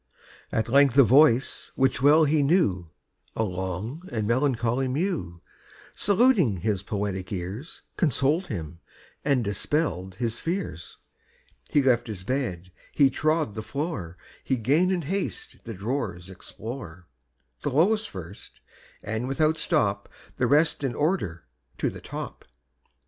At length a voice which well he knew, A long and melancholy mew, Saluting his poetic ears, Consoled him and dispell'd his fears: He left his bed, he trod the floor, He 'gan in haste the drawers explore, The lowest first, and without stop The rest in order to the top.